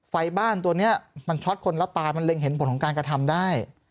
ไฟบ้านตัวนี้มันช็อตคนแล้วตายมันเล็งเห็นผลของการกระทำได้